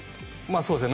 そうですね。